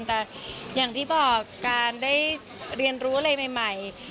แต่อย่างที่บอกการได้เรียนรู้อะไรใหม่